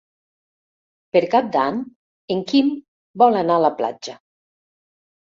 Per Cap d'Any en Quim vol anar a la platja.